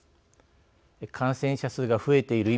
感染者数が増えている